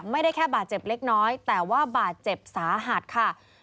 ไม่ได้แค่บาดเจ็บเล็กน้อยแต่ว่าบาดเจ็บสาหัสค่ะ